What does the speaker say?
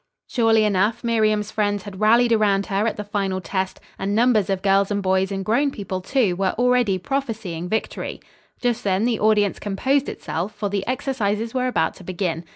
Surely enough Miriam's friends had rallied around her at the final test, and numbers of girls and boys and grown people, too, were already prophesying victory. Just then the audience composed itself, for the exercises were about to begin.